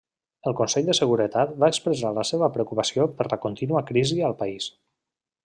El Consell de Seguretat va expressar la seva preocupació per la contínua crisi al país.